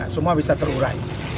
semua bisa terurai